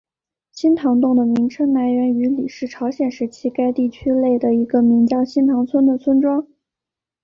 新堂洞的名称来源于李氏朝鲜时期该地区内的一个名为新堂村的村庄。